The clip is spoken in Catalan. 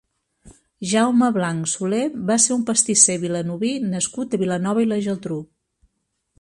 Jaume Blanch Soler va ser un pastisser vilanoví nascut a Vilanova i la Geltrú.